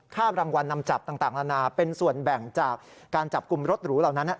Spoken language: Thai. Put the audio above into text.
รางวัลนำจับต่างนานาเป็นส่วนแบ่งจากการจับกลุ่มรถหรูเหล่านั้น